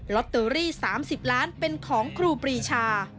ลอตเตอรี่๓๐ล้านเป็นของครูปรีชา